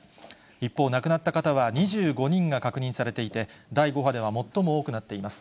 一方、亡くなった方は２５人が確認されていて、第５波では最も多くなっています。